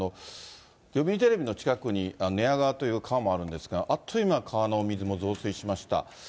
読売テレビの近くに寝屋川という川もあるんですが、あっという間に川の水も増水しました。